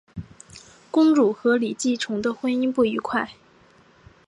公主和李继崇的婚姻不愉快。